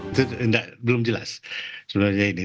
itu belum jelas sebenarnya ini